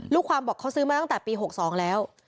ลูกความบอกเขาซื้อมาตั้งแต่ปี๖๒แล้ว